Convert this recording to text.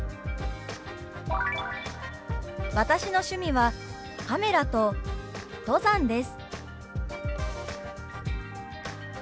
「私の趣味はカメラと登山です」。